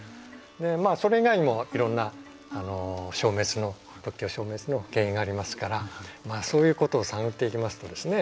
それ以外にもいろんな仏教消滅の原因がありますからそういうことを探っていきますとですね